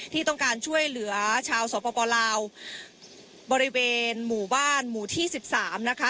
ที่ต้องการช่วยเหลือชาวสปลาวบริเวณหมู่บ้านหมู่ที่๑๓นะคะ